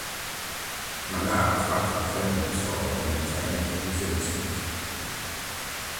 Manav tried to defend himself and maintained that he was innocent.